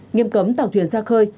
nghiệm cấm tàu thuyền ra khơi